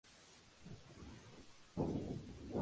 Iguana se quedó por un tiempo bajo el nuevo líder, Cobra.